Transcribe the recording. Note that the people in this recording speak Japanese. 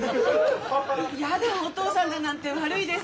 やだお父さんだなんて悪いです。